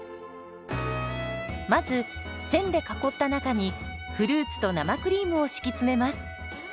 まず線で囲った中にフルーツと生クリームを敷き詰めます。